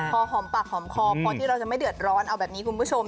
พอหอมปากหอมคอพอที่เราจะไม่เดือดร้อนเอาแบบนี้คุณผู้ชม